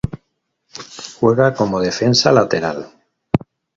Juega como defensa lateral.